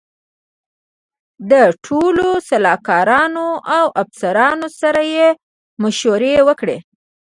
له ټولو سلاکارانو او افسرانو سره یې مشورې وکړې.